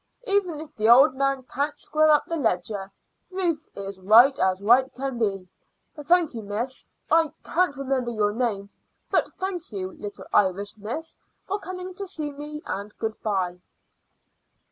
Even if the old man can't square up the ledger, Ruth is as right as right can be. Thank you, Miss I can't remember your name but thank you, little Irish miss, for coming to see me; and good bye."